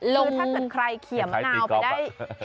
คือถ้าเกิดใครเขียมมะนาวไปได้